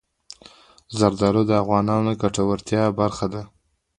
زردالو د افغانانو د ګټورتیا برخه ده.